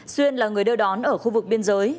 xuyên là người đưa đón ở khu vực biên giới